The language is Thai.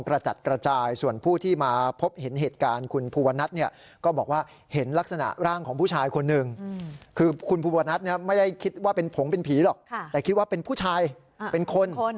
คุณผู้บอดนัดไม่ได้คิดว่าผงเป็นผีหรอกแต่คิดว่าเป็นผู้ชายเป็นคน